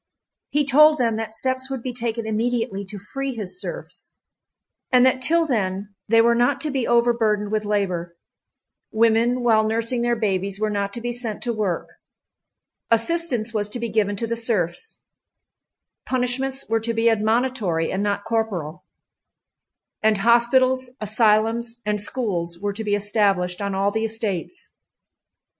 He told them that steps would be taken immediately to free his serfs—and that till then they were not to be overburdened with labor, women while nursing their babies were not to be sent to work, assistance was to be given to the serfs, punishments were to be admonitory and not corporal, and hospitals, asylums, and schools were to be established on all the estates.